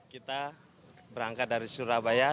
kita berangkat dari surabaya